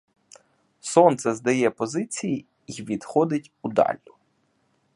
Сонце здає позиції й відходить у даль.